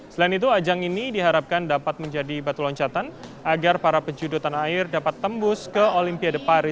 selain itu ajang ini diharapkan dapat menjadi batu loncatan agar para pejudotan air dapat tembus ke olympia de paris dua ribu dua puluh empat